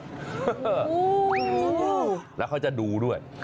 โอ้โหแล้วเขาจะดูด้วย